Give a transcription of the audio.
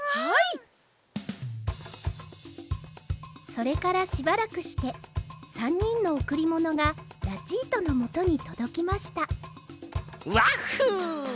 それからしばらくして３にんのおくりものがラチートのもとにとどきましたワッフゥ！